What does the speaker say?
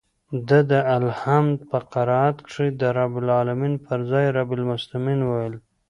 ده د الحمد په قرائت کښې د رب العلمين پر ځاى رب المسلمين وويل.